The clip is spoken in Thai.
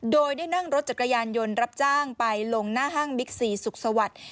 โดยได้นั่งรถจักรยานยนต์รับจ้างไปลงหน้าห้างบิ๊กซีสุขสวัสดิ์